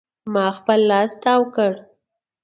ما خپل لاس تاو کړ.